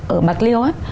ở mạc liêu